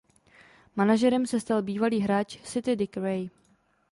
Manažerem se stal bývalý hráč City Dick Ray.